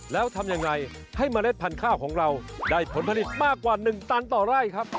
แล้วทำยังไงให้เมล็ดพันธุ์ข้าวของเราได้ผลผลิตมากกว่า๑ตันต่อไร่ครับ